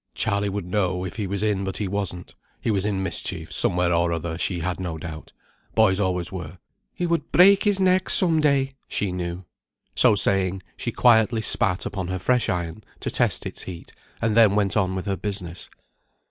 "Charley would know, if he was in, but he wasn't. He was in mischief, somewhere or other, she had no doubt. Boys always were. He would break his neck some day, she knew;" so saying, she quietly spat upon her fresh iron, to test its heat, and then went on with her business.